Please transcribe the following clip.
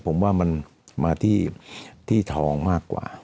ผมว่ามันมาที่ทองมากกว่า